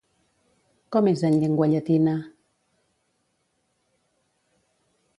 Com és en llengua llatina?